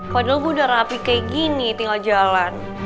padahal gue udah rapi kayak gini tinggal jalan